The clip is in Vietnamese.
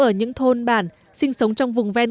ở những thôn bản sinh sống trong vùng ven